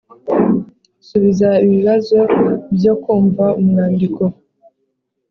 subiza ibi bibazo byo kumva umwandiko